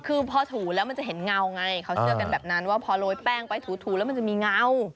คือพอถูแล้วมันจะเห็นเงาไงเขาเชื่อกันแบบนั้นว่าพอโรยแป้งไปถูแล้วมันจะมีเงา